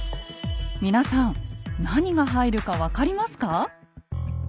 皆さん何が入るか分かりますか？